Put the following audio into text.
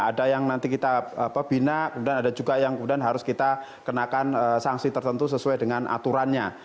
ada yang nanti kita bina kemudian ada juga yang kemudian harus kita kenakan sanksi tertentu sesuai dengan aturannya